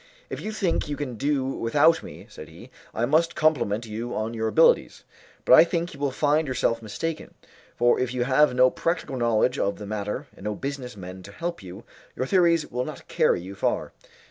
"If you think you can do without me," said he, "I must compliment you on your abilities; but I think you will find yourself mistaken, for if you have no practical knowledge of the matter and no business men to help you, your theories will not carry you far.